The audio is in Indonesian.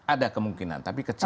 ada kemungkinan tapi kecil